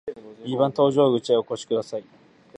二番搭乗口へお越しください。